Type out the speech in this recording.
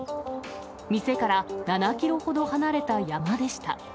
店から７キロほど離れた山でした。